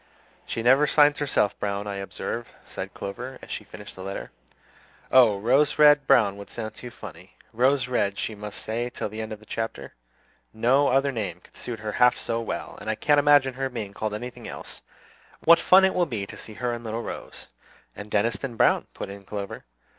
"She never signs herself Browne, I observe," said Clover, as she finished the letter. "Oh, Rose Red Browne would sound too funny. Rose Red she must stay till the end of the chapter; no other name could suit her half so well, and I can't imagine her being called anything else. What fun it will be to see her and little Rose!" "And Deniston Browne," put in Clover.